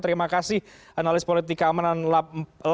terima kasih analis politika amanan lab empat puluh lima